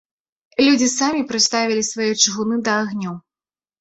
Людзі самі прыставілі свае чыгуны да агню.